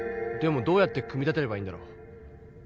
でもどうやって組み立てればいいんだろう。